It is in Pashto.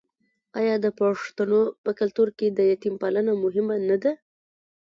آیا د پښتنو په کلتور کې د یتیم پالنه مهمه نه ده؟